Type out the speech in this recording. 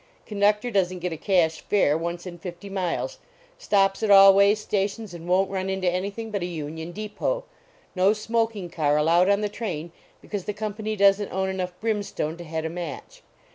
Conductor doesn t get a cash fare once in fifty miles. Stops at all way stations and won t run into anything but a union depot. No smoking car allowed on the train because the company doesn t own enough brimstone to head a match.